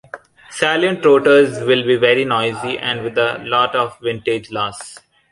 Salient rotors will be very noisy and with a lot of windage loss.